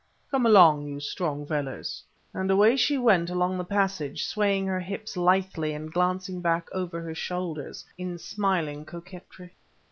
Come along, you strong fellers...." And away she went along the passage, swaying her hips lithely and glancing back over her shoulders in smiling coquetry.